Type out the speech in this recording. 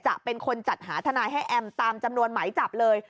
จะเป็นคนจัดหาทนายให้แอมตามจำนวนหมายจับเลย